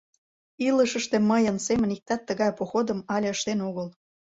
Илышыште мыйын семын иктат тыгай походым але ыштен огыл.